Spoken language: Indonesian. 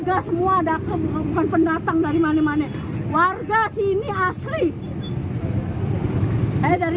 kalau nggak punya saya nggak ada kendagang di sini